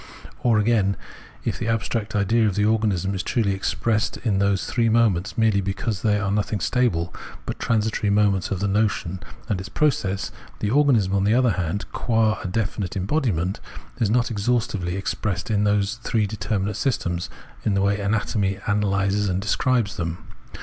Or, again, if the abstract idea of organism is truly expressed in those three moments merely because they are nothing stable, but transitory moments of the notion and its process, the organism, on the other hand, qua a definite embodiment, is not exhaustively ex pressed in those three determinate systems in the way anatomy analyses and describes them.